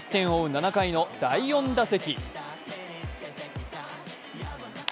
７回の第４打席。